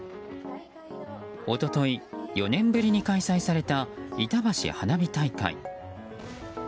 一昨日、４年ぶりに開催されたいたばし花火大会。